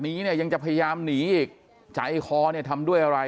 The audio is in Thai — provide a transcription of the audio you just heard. เนี่ยยังจะพยายามหนีอีกใจคอเนี่ยทำด้วยอะไร